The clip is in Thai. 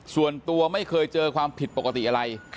ส่วนตัวไม่เคยเจอความผิดปกติอะไร